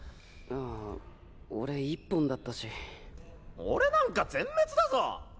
あぁ俺１本だったし。俺なんか全滅だぞ？